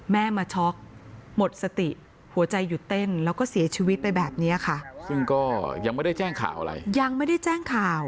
แม่มาช็อกหมดสติหัวใจหยุดเต้น